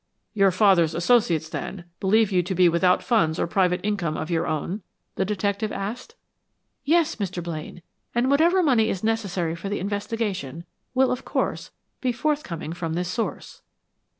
"Your father's associates, then, believe you to be without funds or private income of your own?" the detective asked. "Yes, Mr. Blaine. And whatever money is necessary for the investigation, will, of course, be forthcoming from this source."